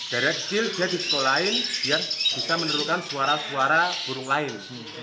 dari kecil dia disekolahin biar bisa menurunkan suara suara burung lain